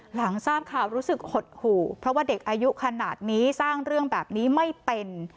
หลังทราบข่าวรู้สึกหดหู่เพราะว่าเด็กอายุขนาดนี้สร้างเรื่องแบบนี้ไม่เป็น